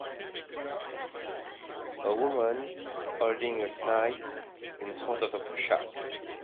A woman holding a kite in front of a child.